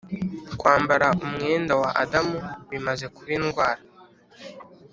kwambara umwenda wa adamu bimaze kuba indwara